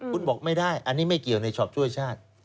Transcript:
คุณบอกไม่ได้อันนี้ไม่เกี่ยวในช็อปช่วยชาติ